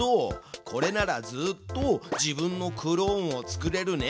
これならずっと自分のクローンを作れるね。